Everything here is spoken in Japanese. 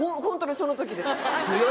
ホントにその時です。